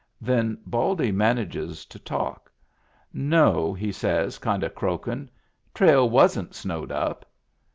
Then Baldy manages to talk. " No," he says kind of croakin' ;" trail wasn't snowed up."